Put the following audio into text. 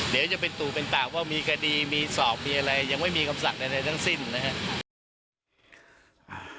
เดี๋ยวจะเป็นตู่เป็นปากว่ามีคดีมีสอบมีอะไรยังไม่มีคำสั่งใดทั้งสิ้นนะครับ